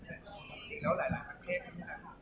และเห็นแล้วหลายหักเข้มนะครับ